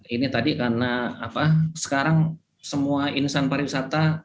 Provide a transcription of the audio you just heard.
ini tadi karena sekarang semua insan pariwisata